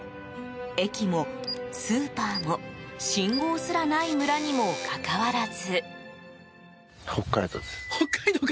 駅も、スーパーも、信号すらない村にもかかわらず。